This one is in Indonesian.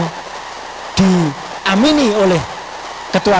pract delay oleh ketua